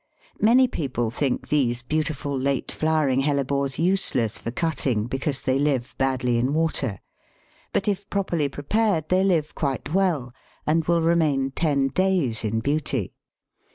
Many people think these beautiful late flowering Hellebores useless for cutting because they live badly in water. But if properly prepared they live quite well, and will remain ten days in beauty.